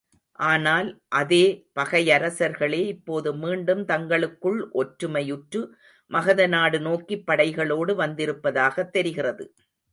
ஆனால் அதே பகையரசர்களே இப்போது, மீண்டும் தங்களுக்குள் ஒற்றுமையுற்று மகத நாடு நோக்கிப் படைகளோடு வந்திருப்பதாகத் தெரிகிறது.